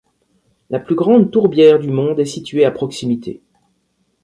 La plus grande tourbière du monde est située à proximité.